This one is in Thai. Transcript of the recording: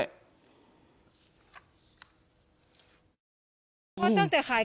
ว่าตั้งแต่ขาย